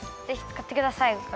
ぜひつかってください。